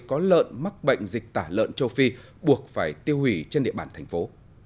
có lợn mắc bệnh dịch tả lợn châu phi buộc phải tiêu hủy trên địa bàn thành phố